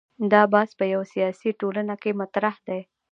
دا بحث په یوه سیاسي ټولنه کې مطرح دی.